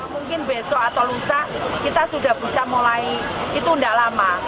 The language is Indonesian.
mungkin besok atau lusa kita sudah bisa mulai itu tidak lama